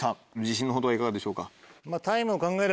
自信のほどはいかがでしょうか？